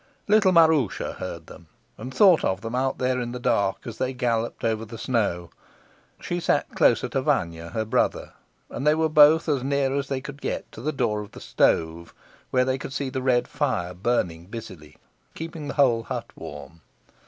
Little Maroosia heard them, and thought of them out there in the dark as they galloped over the snow. She sat closer to Vanya, her brother, and they were both as near as they could get to the door of the stove, where they could see the red fire burning busily, keeping the whole hut warm.